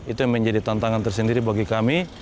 itu yang menjadi tantangan tersendiri bagi kami